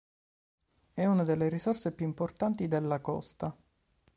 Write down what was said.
È una delle risorse più importanti della costa.